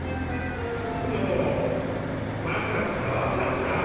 もうわかったわかった！